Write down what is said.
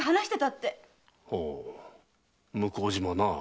ほう向島な。